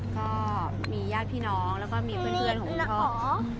ก็มีญาติพี่น้องแล้วก็มีเพื่อนของคุณพ่อ